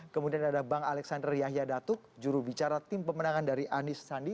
kemudian ada bang alexander yahya datuk jurubicara tim pemenangan dari anis sandi